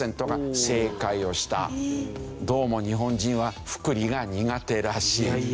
どうも日本人は複利が苦手らしい。